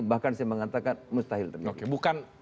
bahkan saya mengatakan mustahil terjadi